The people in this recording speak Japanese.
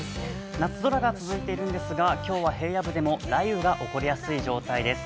夏空が続いているんですが、今日は平野部でも雷雨が起こりやすい状態です。